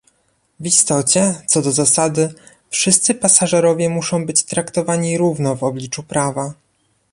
W istocie, co do zasady, wszyscy pasażerowie muszą być traktowani równo w obliczu prawa